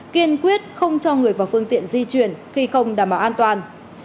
kiên quyết không cho người vào phương tiện di chuyển khi không đảm bảo an toàn